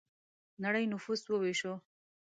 نړۍ نفوس وویشو.